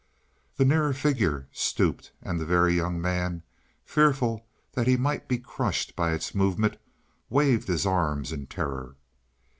The nearer figure stooped, and the Very Young Man, fearful that he might be crushed by its movement, waved his arms in terror.